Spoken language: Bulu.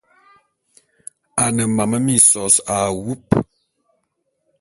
A ne mam minsōs a wub.